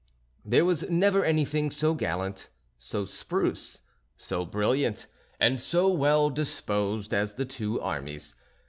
There was never anything so gallant, so spruce, so brilliant, and so well disposed as the two armies.